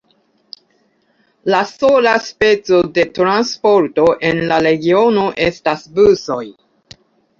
La sola speco de transporto en la regiono estas busoj.